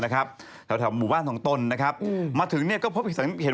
แถวเหตุหมู่บ้านของตนมาถึงก็พบหิตรสังนิดนึง